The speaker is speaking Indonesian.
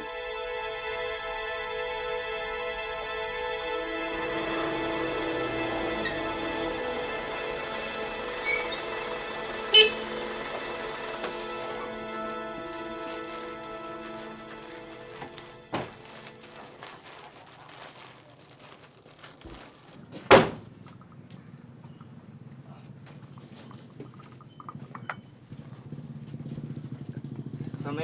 baik di audio nanti